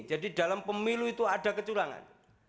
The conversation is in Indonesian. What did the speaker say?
jadi dalam pemilu itu ada kecurangan